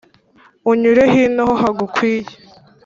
unyure hino ho hagukwiye